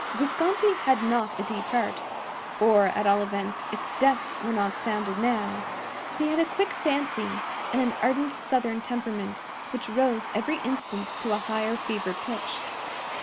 Guasconti had not a deep heart—or, at all events, its depths were not sounded now; but he had a quick fancy, and an ardent southern temperament, which rose every instant to a higher fever pitch.